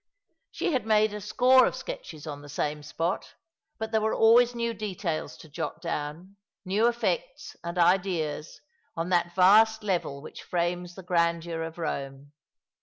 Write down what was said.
■ She had made a score of sketches on the same spot, but there were always new details to jot down, new effects and ideas, on that vast level which frames the grandeur of Eome.